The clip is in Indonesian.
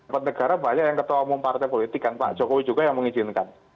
pejabat negara banyak yang ketua umum partai politik kan pak jokowi juga yang mengizinkan